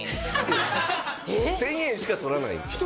１０００円しかとらないんですよ